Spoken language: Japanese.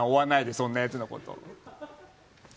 そんなやつのこと。